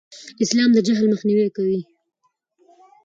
اسلام د جهل مخنیوی کوي.